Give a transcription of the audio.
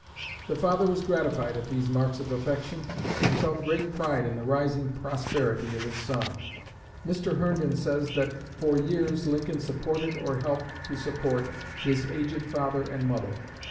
The father was gratified at these marks of affection, and felt great pride in the rising prosperity of his son. Mr. Herndon says that "for years Lincoln supported or helped to support his aged father and mother.